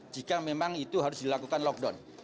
jika memang itu harus dilakukan lockdown